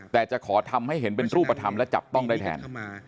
แต่จะขอทำให้เห็นเป็นรูปธรรมและจับต้องได้แทน